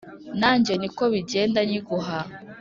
nanjye niko bigenda nyiguha